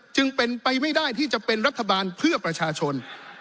จึงเป็นไปไม่ได้ที่จะเป็นรัฐบาลเพื่อประชาชน